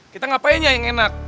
kita ngapain ya yang enak